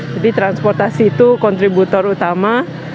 jadi transportasi itu kontributor utama